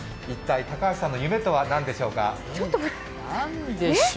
一体、高橋さんの夢とは何でしょうか？